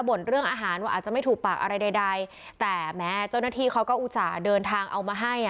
เรื่องอาหารว่าอาจจะไม่ถูกปากอะไรใดแต่แม้เจ้าหน้าที่เขาก็อุตส่าห์เดินทางเอามาให้อ่ะ